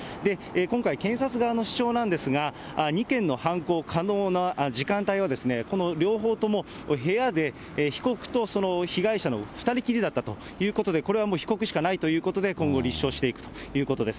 今回、検察側の主張なんですが、２件の犯行可能な時間帯はこの両方とも、部屋で被告とその被害者の２人きりだったということで、これはもう被告しかないということで、今後、立証していくということです。